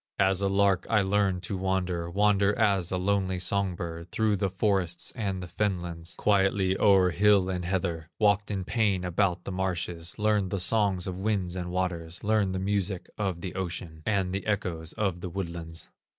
As a lark I learned to wander, Wander as a lonely song bird, Through the forests and the fenlands, Quietly o'er hill and heather; Walked in pain about the marshes, Learned the songs of winds and waters, Learned the music of the ocean, And the echoes of the woodlands.